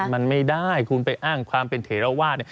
มันไม่ได้คุณไปอ้างความเป็นเถระวาส